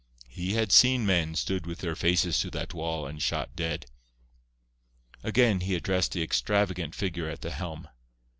He had seen men stood with their faces to that wall and shot dead. Again he addressed the extravagant figure at the helm.